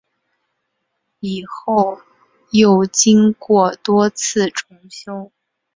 以后又经过多次重修。